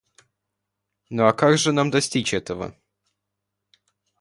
Ну а как же нам достичь этого?